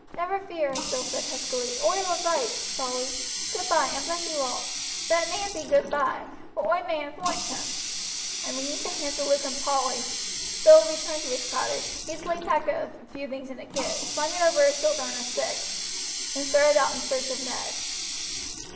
"Never fear," Bill said huskily, "oi will wroite, Polly; goodby, and God bless you all; but it mayn't be goodby, for oi mayn't foind him;" and, wringing the hands of Luke and Polly, Bill returned to his cottage, hastily packed up a few things in a kit, slung it over his shoulder on a stick, and started out in search of Ned.